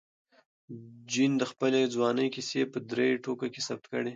جین د خپلې ځوانۍ کیسې په درې ټوکه کې ثبت کړې.